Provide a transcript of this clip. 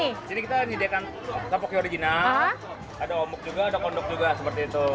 di sini kita jidekan topoki original ada omuk juga ada konduk juga seperti itu